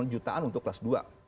enam jutaan untuk kelas dua